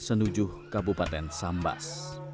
senujuh kabupaten sambas